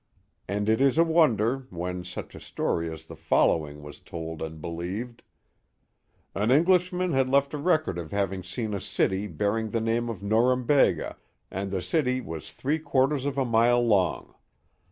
And is it a wonder, when such a story as the following was told and believed : An Englishman had left a record of having seen a city bearing the name of Norumbega, and the city was three quarters of a mile long.